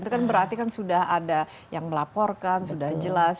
itu kan berarti kan sudah ada yang melaporkan sudah jelas